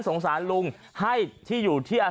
ท่านพรุ่งนี้ไม่แน่ครับ